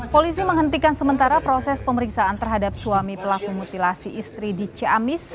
polisi menghentikan sementara proses pemeriksaan terhadap suami pelaku mutilasi istri di ciamis